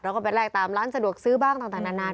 แล้วก็ไปแลกตามร้านสะดวกซื้อบ้างต่างนาน